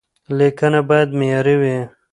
لیکنه باید معیاري وي.